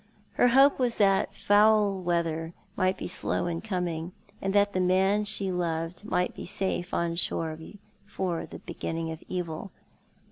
Her hope was that foul weather might be slow in coming, and that the man she loved might be safe on shore before the beginning of evil.